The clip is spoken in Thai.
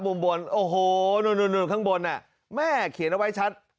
มุมบนโอ้โหนู่นข้างบนแม่เขียนเอาไว้ชัด